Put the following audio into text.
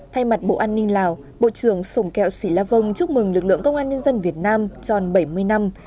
thay mặt bộ an ninh lào bộ trưởng sùng kẹo sĩ la vong chúc mừng lực lượng công an nhân dân việt nam tròn bảy mươi năm